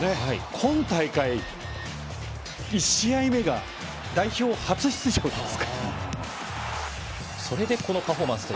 今大会、１試合目が代表初出場ですからノパートは。